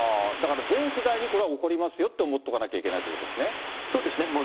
だから全世代にこれは起こりますよと思っておかなきゃいけなそうですね。